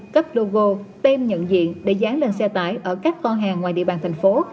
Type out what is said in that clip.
cấp logo tem nhận diện để gián lên xe tải ở các con hàng ngoài địa bàn thành phố